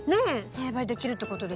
栽培できるってことですよね。